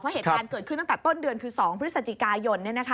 เหตุการณ์เกิดขึ้นตั้งแต่ต้นเดือนคือ๒พฤศจิกายน